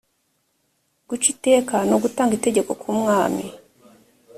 guca iteka ni gutanga itegeko k’ umwami